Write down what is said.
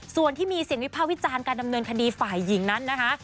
ส่วนที่มีเสียงวิภาควิจารณ์การดำเนินคดีฝ่ายหญิงนั้นนะคะ